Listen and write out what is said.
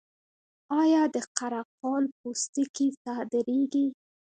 آیا د قره قل پوستکي صادریږي؟